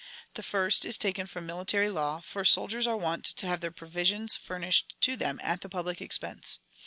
The first is taken from military law, for soldiers are wont to have their provisions furnished to them at the public expense.